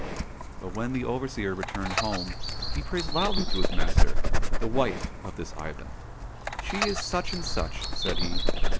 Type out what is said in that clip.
But when the overseer returned home he praised loudly to his master the wife of this Ivan. *' She is such and such," said he.